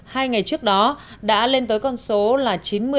hai ngày trước đó đã lên tới con số là chín mươi